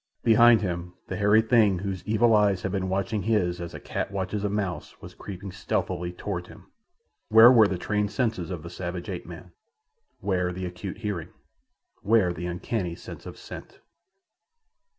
Behind him the hairy thing whose evil eyes had been watching him as a cat watches a mouse was creeping stealthily toward him. Where were the trained senses of the savage ape man? Where the acute hearing? Where the uncanny sense of scent?